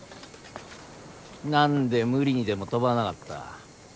何で無理にでも飛ばなかった？